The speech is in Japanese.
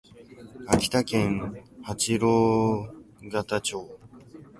秋田県八郎潟町